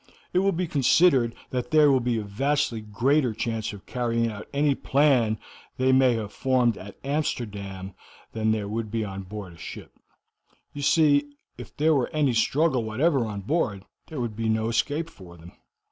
It will be considered that there will be a vastly greater chance of carrying out any plan they may have formed at Amsterdam than there would be on board a ship; you see, if there were any struggle whatever on board there would be no escape for them.